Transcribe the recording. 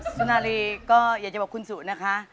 สุนารีก็อยากจะบอกคุณสุนะคะ